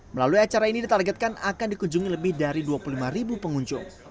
melalui acara ini ditargetkan akan dikunjungi lebih dari dua puluh lima ribu pengunjung